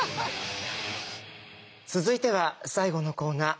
続いては最後のコーナー